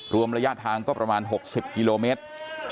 รวมระยะทางก็ประมาณ๖๐กิโลเมตร